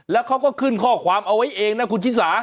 แล้วเขาก็ขึ้นข้อความเอาไว้เองนะคุณชิสา